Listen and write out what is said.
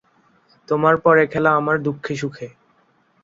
তোমার 'পরে খেলা আমার দুঃখে সুখে।